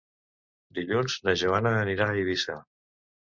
Dilluns na Joana anirà a Eivissa.